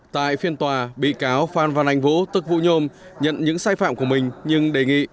tại phiên tòa bị cáo phan văn anh vũ tức vũ nhôm nhận những sai phạm của mình nhưng đề nghị